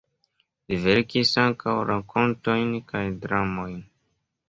Li verkis ankaŭ rakontojn kaj dramojn.